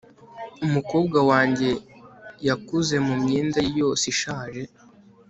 umukobwa wanjye yakuze mumyenda ye yose ishaje